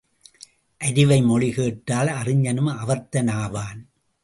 அரிவை மொழி கேட்டால் அறிஞனும் அவத்தன் ஆவான்.